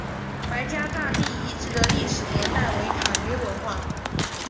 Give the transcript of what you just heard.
白家大地遗址的历史年代为卡约文化。